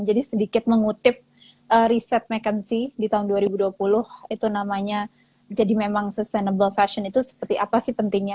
jadi sedikit mengutip riset mckinsey di tahun dua ribu dua puluh itu namanya jadi memang sustainable fashion itu seperti apa sih pentingnya